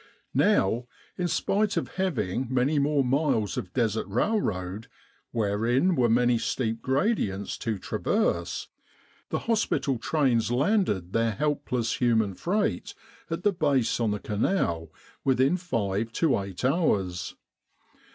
Now, in spite of having many more miles of Desert railroad, wherein w$re many steep gradients to traverse, the hospital trains landed their helpless human freight at the Base on the Canal within five to eight hours.